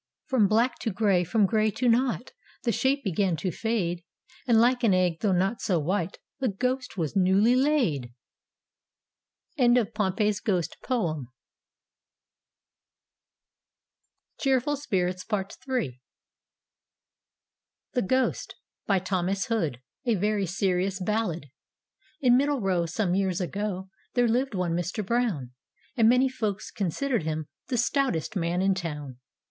From black to gray^ from gray to nought The shape began to fade — And like an egg, though not so white, Tlie ghost was newly laid !" D,gt,, erihyGOOgle THE GHOST : thomas hoot d Very Serious Ballad In Middle Row, some years ago, There lived one Mr. Brown; And many folks considered him The stoutest man in town.